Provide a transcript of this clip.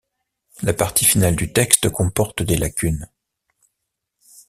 La partie finale du texte comporte des lacunes.